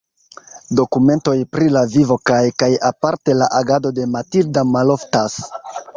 Dokumentoj pri la vivo kaj kaj aparte la agado de Matilda maloftas.